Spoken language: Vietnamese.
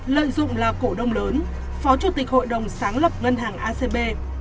lợi dụng là cổ đông lớn phó chủ tịch hội đồng sáng lập ngân hàng acb